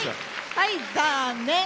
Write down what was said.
はい、残念！